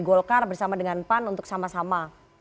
golkar bersama dengan pan untuk sama sama